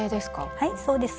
はいそうです。